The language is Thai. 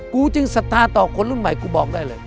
กูจึงศรัทธาต่อคนรุ่นใหม่กูบอกได้เลย